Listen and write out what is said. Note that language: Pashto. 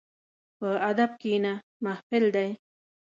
په ادب کښېنه، محفل دی.